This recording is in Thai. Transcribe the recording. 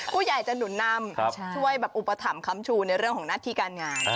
ผู้ใหญ่จะหนุนนำช่วยแบบอุปถัมภัมชูในเรื่องของหน้าที่การงาน